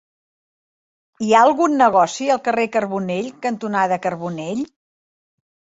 Hi ha algun negoci al carrer Carbonell cantonada Carbonell?